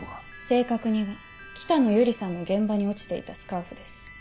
正確には北野由里さんの現場に落ちていたスカーフです。